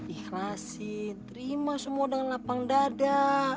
ikhlasi terima semua dengan lapang dada